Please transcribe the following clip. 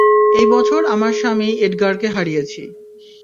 এই বছর আমার স্বামী এডগারকে হারিয়েছি।